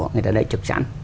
người ta đậy trực sẵn